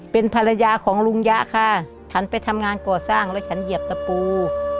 เป็นภรรยาของลุงยะค่ะฉันไปทำงานก่อสร้างแล้วฉันเหยียบตะปู